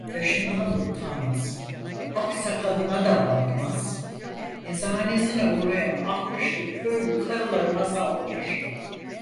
Yaşından da utanmaz, ak sakalına da bakmaz, yazıhanesine uğrayan altmışlık köylü karılarına saldırır.